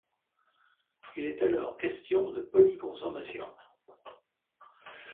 Il est alors question de polyconsommation.